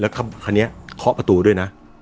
แล้วคราวเนี้ยเคาะประตูด้วยนะ